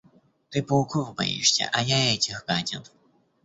Ты пауков боишься, а я этих гадин.